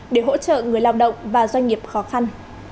để hỗ trợ người lao động và doanh nghiệp khó khăn